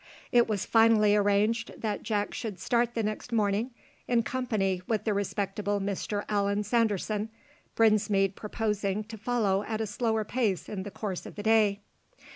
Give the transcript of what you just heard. It was finally arranged that Jack should start the next morning in company with the respectable Mr Allan Sanderson, Brinsmead purposing to follow at a slower pace in the course of the day.